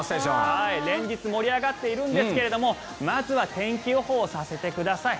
連日盛り上がっているんですがまずは天気予報をさせてください。